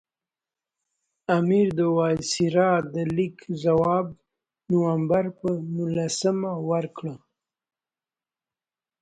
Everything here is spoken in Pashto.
امیر د وایسرا د لیک ځواب د نومبر پر نولسمه ورکړ.